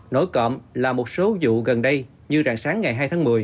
nổi cộm là một số vụ gần đây như rạng sáng ngày hai tháng một mươi